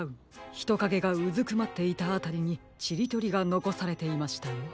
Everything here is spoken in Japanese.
ひとかげがうずくまっていたあたりにちりとりがのこされていましたよ。